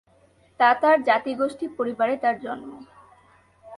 তাতার জাতিগোষ্ঠী পরিবারে তার জন্ম।